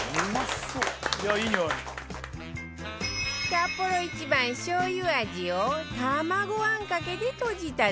サッポロ一番しょうゆ味を卵あんかけでとじただけ